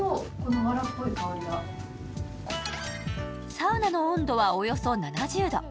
サウナの温度はおよそ７０度。